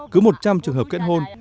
cứ một trăm linh trường hợp kết hôn